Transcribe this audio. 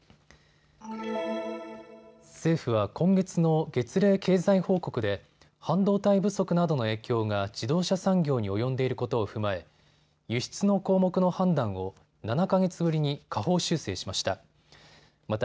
政府は今月の月例経済報告で半導体不足などの影響が自動車産業に及んでいることを踏まえ輸出の項目の判断を７か月ぶりに下方修正しました。